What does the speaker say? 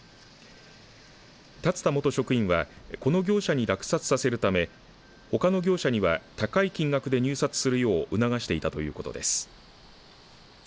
龍田元職員はこの業者に落札されるためほかの業者には高い金額で入札するよう促していたということです。